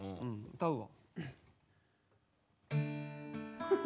歌うわ。